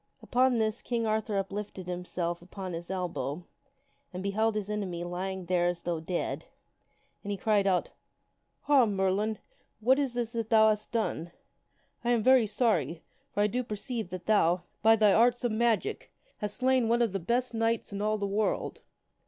Upon this, King Arthur uplifted himself upon his elbow and beheld his enemy lying there as though dead, and he cried out, " Ha ! Merlin ! what is this that thou hast done? I am very sorry, for I do perceive that thou, by thy arts of magic, hath slain one of the best knights in all the world."